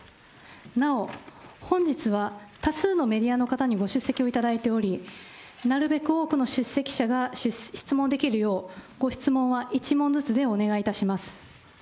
なお、本日は多数のメディアの方にご出席をいただいており、なるべく多くの出席者が質問できるよう、ご質問は１問ずつでお願いいたします。